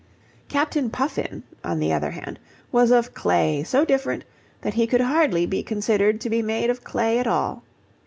Captain Puffin, on the other hand, was of clay so different that he could hardly be considered to be made of clay at all.